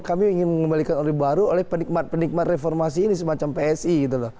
kami ingin mengembalikan orde baru oleh penikmat penikmat reformasi ini semacam psi gitu loh